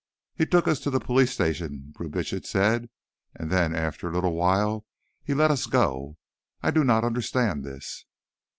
"He took us to the police station," Brubitsch said, "and then after a little while he let us go. I do not understand this."